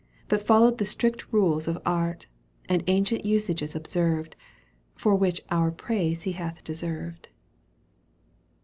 But followed the strict rules of art, And ancient usages observed (For which our praise he hath deserved), XXV.